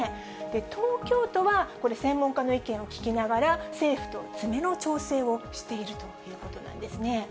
東京都はこれ、専門家の意見を聞きながら、政府と詰めの調整をしているということなんですね。